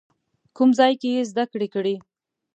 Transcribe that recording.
کوم ځای کې یې زده کړې کړي؟